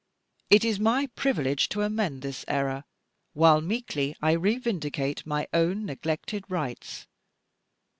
It is my privilege to amend this error, while meekly I revindicate my own neglected rights.